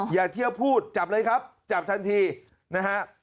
อย่าเที่ยวพูดจับเลยครับจับทันทีนะฮะ